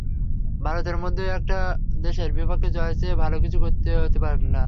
ভারতের মতো একটা দেশের বিপক্ষে জয়ের চেয়ে ভালো কিছু হতে পারে না।